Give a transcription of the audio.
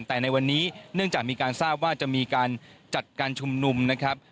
แต่ในวันนี้เนื่องจากมีการทราบว่าจะมีการจัดการชุมนุมนะครับ